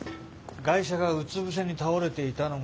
ガイシャがうつ伏せに倒れていたのがここ。